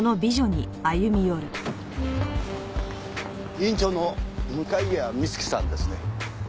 院長の向谷美月さんですね？